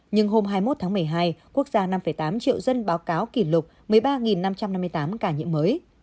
nhưng hôm hai mươi một tháng một mươi hai quốc gia năm tám triệu dân báo cáo kỷ lục một mươi ba năm trăm năm mươi tám ca nhiễm mới